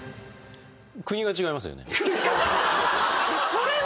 それは。